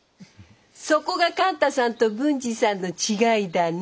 そこが勘太さんと文治さんの違いだね。